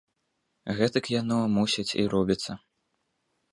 Гэтак яно, мусіць, і робіцца.